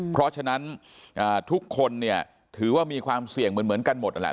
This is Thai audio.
เพราะฉะนั้นทุกคนเนี่ยถือว่ามีความเสี่ยงเหมือนกันหมดนั่นแหละ